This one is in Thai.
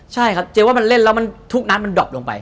ใช่ครับเจ๊ว่ามันเล่นแล้วทุกนัดมันดอบลงไป